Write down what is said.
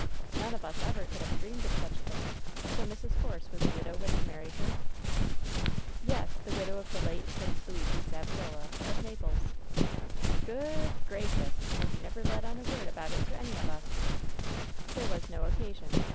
"None of us ever could have dreamed of such a thing. So Mrs. Force was a widow when you married her i" "Yes ; the widow of the late Prince Luigi Saviola, of Naples." ^) «68 WHEN SHADOWS DIE *^Goo oo ood gracious 1 And you never let on a word about it to any of us 1" "There was no occasion.